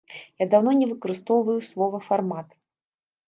Я даўно не выкарыстоўваю слова фармат.